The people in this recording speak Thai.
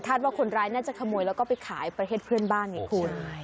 ว่าคนร้ายน่าจะขโมยแล้วก็ไปขายประเทศเพื่อนบ้านไงคุณ